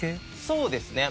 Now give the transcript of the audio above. そうですね。